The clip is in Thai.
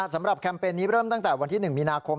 แคมเปญนี้เริ่มตั้งแต่วันที่๑มีนาคม